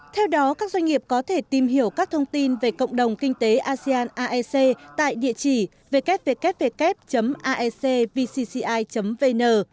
theo đó các doanh nghiệp có thể tìm hiểu các thông tin về cộng đồng kinh tế asean aec tại địa chỉ www aecvcci vn